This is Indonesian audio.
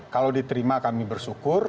kalau diterima kami bersyukur